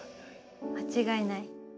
間違いない。